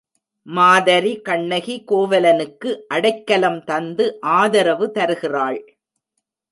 மாதரி கண்ணகி கோவலனுக்கு அடைக்கலம் தந்து ஆதரவு தருகிறாள்.